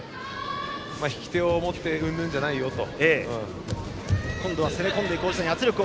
引き手を持ってうんぬんじゃないと。